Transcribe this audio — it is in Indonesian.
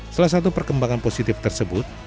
salah satu perkembangan positif tersebut